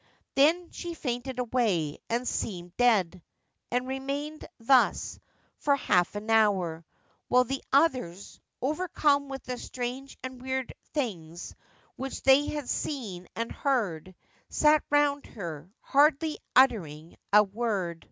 Then she fainted away, and seemed dead, and remained thus for half an hour ; while the others, overcome with the strange and weird things which they had seen and heard, sat round her, hardly uttering a word.